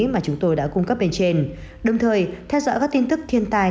mà chúng tôi đã cung cấp bên trên đồng thời theo dõi các tin tức thiên tai